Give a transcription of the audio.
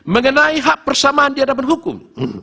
mengenai hak persamaan di hadapan hukum